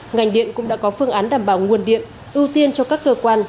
ngành điện cũng đã có phương án đảm bảo nguồn điện ưu tiên cho các cơ quan